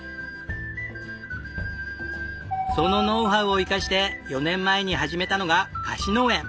そのノウハウを生かして４年前に始めたのが貸し農園。